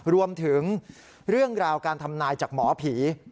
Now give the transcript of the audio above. รวมถึงเรื่องราวการทำนายจากหมอผี